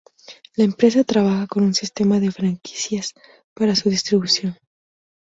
La empresa trabaja con un sistema de franquicias para su distribución.